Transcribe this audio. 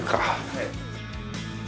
はい。